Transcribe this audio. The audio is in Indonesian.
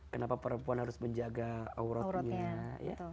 kenapa perempuan harus menjaga aurotnya